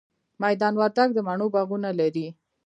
میدان وردګ د مڼو باغونه لري